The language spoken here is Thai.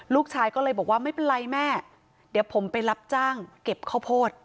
ลูกชายก็เลยบอกว่าไม่เป็นไรแม่เดี๋ยวผมไปรับจ้างเก็บข้าวโพด